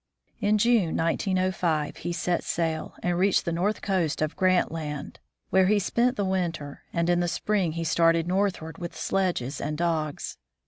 In June, 1905, he set sail, and reached the north coast of Grant Land, where he spent the winter, and in the spring he started northward with sledges and dogs.